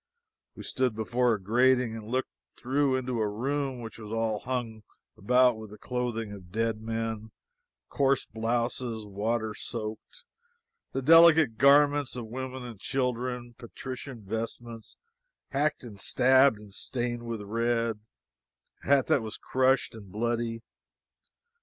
We stood before a grating and looked through into a room which was hung all about with the clothing of dead men; coarse blouses, water soaked; the delicate garments of women and children; patrician vestments, hacked and stabbed and stained with red; a hat that was crushed and bloody.